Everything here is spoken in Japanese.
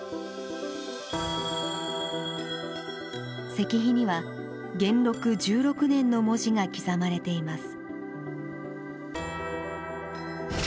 石碑には「元禄十六年」の文字が刻まれています。